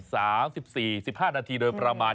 สามสิบสี่สิบห้านาทีโดยประมาณ